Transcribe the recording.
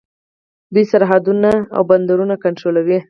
دوی سرحدونه او بندرونه کنټرولوي.